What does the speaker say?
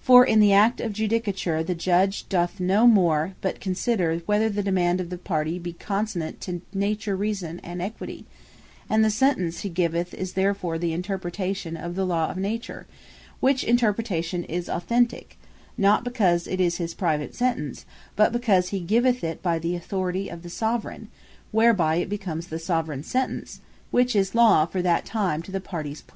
For in the act of Judicature, the Judge doth no more but consider, whither the demand of the party, be consonant to naturall reason, and Equity; and the Sentence he giveth, is therefore the Interpretation of the Law of Nature; which Interpretation is Authentique; not because it is his private Sentence; but because he giveth it by Authority of the Soveraign, whereby it becomes the Soveraigns Sentence; which is Law for that time, to the parties pleading.